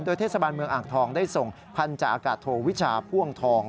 เทศบาลเมืองอ่างทองได้ส่งพันธาอากาศโทวิชาพ่วงทอง